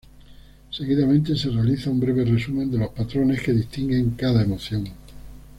Seguidamente se realiza un breve resumen de los patrones que distinguen cada emoción.